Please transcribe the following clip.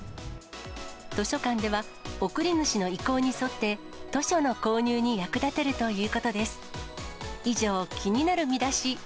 図書館では、送り主の意向に沿って、図書の購入に役立てるということです。